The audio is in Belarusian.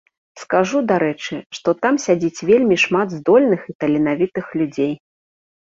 Скажу, дарэчы, што там сядзіць вельмі шмат здольных і таленавітых людзей.